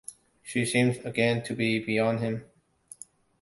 She seemed again to be beyond him.